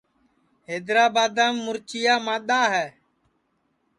حیدرابادام مُرچیا مادَا ہے